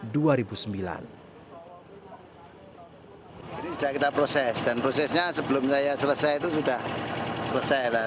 jadi sudah kita proses dan prosesnya sebelum saya selesai itu sudah selesai lah